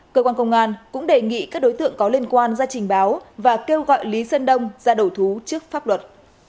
cơ quan công an cũng đề nghị các đối tượng có liên quan ra trình báo và kêu gọi lý sơn đông ra đầu thú trước pháp luật